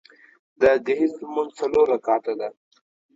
د ګهیځ لمونځ څلور رکعته ده